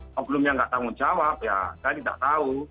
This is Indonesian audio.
kalau belumnya nggak tanggung jawab ya saya tidak tahu